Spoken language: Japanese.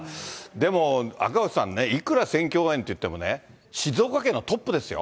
でも赤星さんね、いくら選挙応援っていってもね、静岡県のトップですよ。